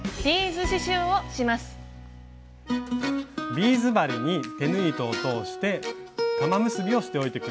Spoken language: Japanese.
ビーズ針に手縫い糸を通して玉結びをしておいて下さい。